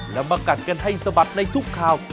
แล้วมากัดกันให้สะบัดในทุกข่าว